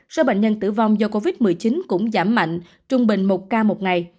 số bệnh nhân tử vong do covid một mươi chín cũng giảm mạnh trung bình một ca một ngày